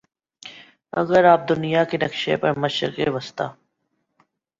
اگر آپ دنیا کے نقشے پر مشرق وسطیٰ